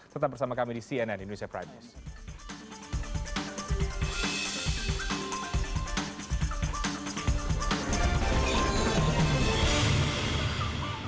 tetap bersama kami di cnn indonesia prime news